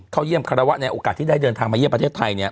เข้าเยี่ยมคาราวะในโอกาสที่ได้เดินทางมาเยี่ยมประเทศไทยเนี่ย